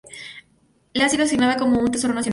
La ha sido asignada como un Tesoro Nacional.